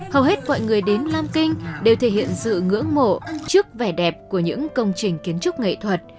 hầu hết mọi người đến lam kinh đều thể hiện sự ngưỡng mộ trước vẻ đẹp của những công trình kiến trúc nghệ thuật